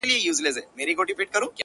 د تازه هوا مصرف یې ورښکاره کړ-